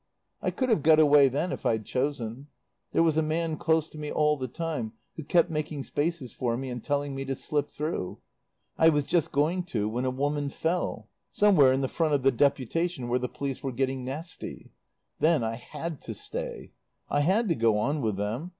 "I could have got away then if I'd chosen. There was a man close to me all the time who kept making spaces for me and telling me to slip through. I was just going to when a woman fell. Somewhere in the front of the deputation where the police were getting nasty. "Then I had to stay. I had to go on with them.